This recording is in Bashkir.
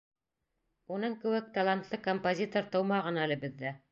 Уның кеүек талантлы композитор тыумаған әле беҙҙә.